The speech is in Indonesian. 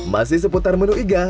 masih seputar menu iga